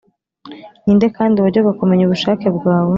Ni nde kandi wajyaga kumenya ubushake bwawe,